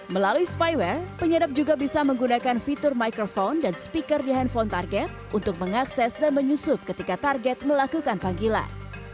melalui spyware penyadap juga bisa menggunakan fitur microphone dan speaker di handphone target untuk mengakses dan menyusup ketika target melakukan panggilan